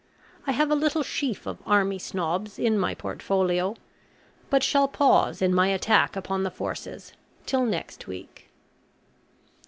I have a little sheaf of Army Snobs in my portfolio, but shall pause in my attack upon the forces till next week.